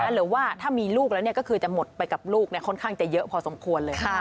หรือว่าถ้ามีลูกแล้วก็คือจะหมดไปกับลูกค่อนข้างจะเยอะพอสมควรเลย